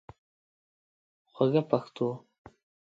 خوږه پښتو